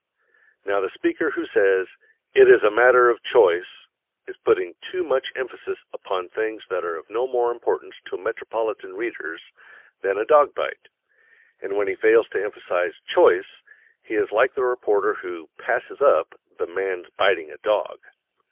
Now the speaker who says "IT IS A MATTER OF CHOICE" is putting too much emphasis upon things that are of no more importance to metropolitan readers than a dog bite, and when he fails to emphasize "choice" he is like the reporter who "passes up" the man's biting a dog.